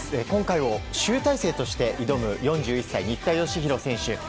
今回を集大成として挑む４１歳、新田佳浩選手。